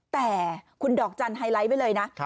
แต่คุณดอกจันทร์ไฮไลท์ไว้เลยนะ